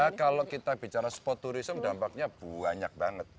ya kalau kita bicara sport tourism dampaknya banyak banget